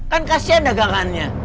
kan kasihan dagangannya